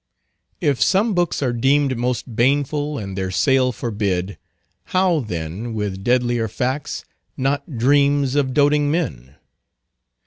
If some books are deemed most baneful and their sale forbid, how, then, with deadlier facts, not dreams of doting men?